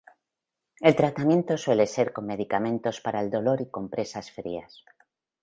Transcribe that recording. El tratamiento suele ser con medicamentos para el dolor y compresas frías.